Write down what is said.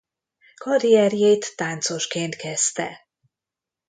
Karrierjét táncosként kezdte.